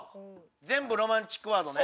全部ロマンチックワードね。